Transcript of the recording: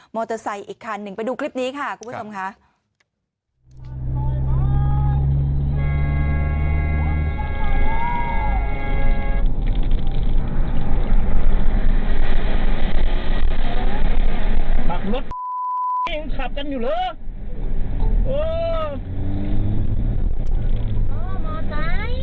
มอเตอร์ไซค์อีกคันหนึ่งไปดูคลิปนี้ค่ะครับคุณผู้สมค่ะ